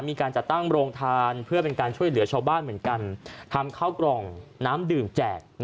มีการจัดตั้งโรงทานเพื่อเป็นการช่วยเหลือชาวบ้านเหมือนกันทำข้าวกล่องน้ำดื่มแจก